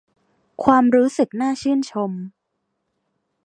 ความรู้สึกน่าชื่นชม